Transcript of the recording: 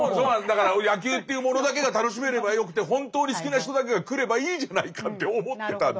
だから野球というものだけが楽しめればよくて本当に好きな人だけが来ればいいじゃないかって思ってたんです。